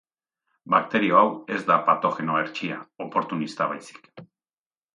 Bakterio hau ez da patogeno hertsia, oportunista baizik.